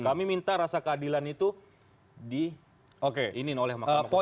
kami minta rasa keadilan itu diinin oleh mahkamah konstitusi